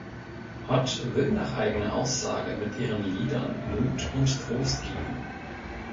Ott will nach eigener Aussage mit ihren Liedern Mut und Trost geben.